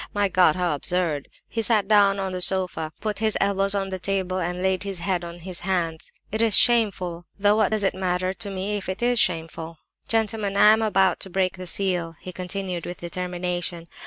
My God, how absurd!" He sat down on the sofa, put his elbows on the table, and laid his head on his hands. "It is shameful—though what does it matter to me if it is shameful? "Gentlemen, gentlemen! I am about to break the seal," he continued, with determination.